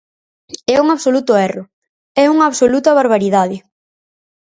É un absoluto erro, é unha absoluta barbaridade.